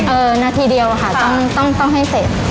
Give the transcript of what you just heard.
นาทีเดียวค่ะต้องให้เสร็จ